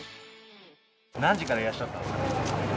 何時からいらっしゃったんですか？